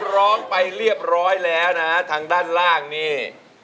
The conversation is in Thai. ร้องไปเรียบร้อยแล้วนะฮะทางด้านล่างนี่